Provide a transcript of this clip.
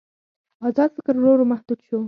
ازاد فکر ورو ورو محدود شو.